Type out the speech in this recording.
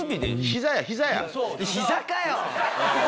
膝かよ！